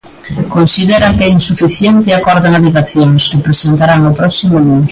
Consideran que é insuficiente e acordan alegacións, que presentarán o próximo luns.